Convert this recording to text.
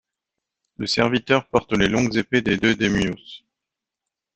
Le serviteur porte les longues épées des deux daimyos.